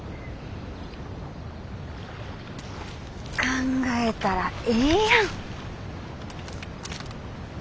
考えたらええやん。